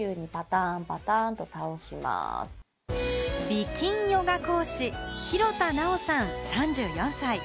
美筋ヨガ講師・廣田なおさん、３４歳。